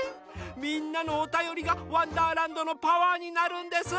みんなのおたよりが「わんだーらんど」のパワーになるんです！